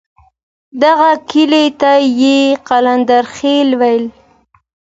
دغه کلي ته یې قلندرخېل ویل.